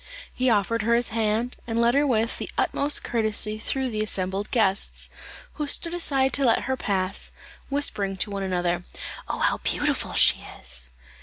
He offered her his hand, and led her with the utmost courtesy through the assembled guests, who stood aside to let her pass, whispering to one another, "Oh, how beautiful she is!"